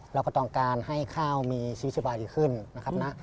เราก็ต้องการให้ข้าวมีชีวิตสบายดีขึ้นนะครับนะ